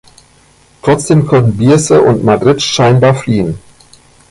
Trotzdem können Bierce und Madrid scheinbar fliehen.